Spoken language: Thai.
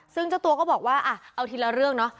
ซึ่งเจ้าตัวก็บอกว่าเอาทีละเรื่องเนาะ